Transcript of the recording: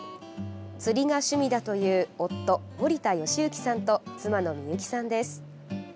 釣りが趣味だという夫・森田昌行さんと妻の美幸さんです。